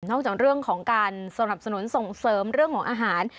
จากเรื่องของการสนับสนุนส่งเสริมเรื่องของอาหาร